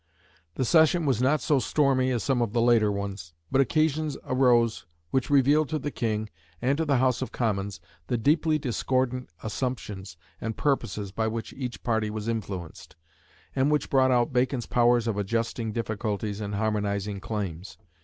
The session was not so stormy as some of the later ones; but occasions arose which revealed to the King and to the House of Commons the deeply discordant assumptions and purposes by which each party was influenced, and which brought out Bacon's powers of adjusting difficulties and harmonising claims.